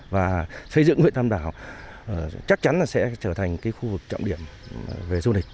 và xây dựng huyện tam đảo chắc chắn là sẽ trở thành khu vực trọng điểm về du lịch